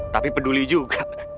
tapi peduli juga